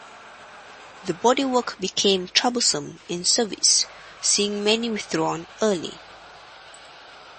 The bodywork became troublesome in service, seeing many withdrawn early.